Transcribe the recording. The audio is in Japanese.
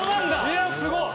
いやすごっ！